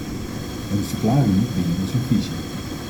Hun verklaringen bieden ons een visie.